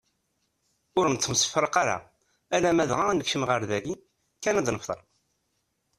Ur nettemfraq ara alamm dɣa ad nekcem ɣer dagi kan ad nefteṛ.